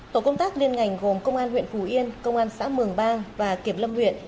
tổ công tác liên ngành gồm công an huyện phù yên công an xã mường bang và kiểm lâm huyện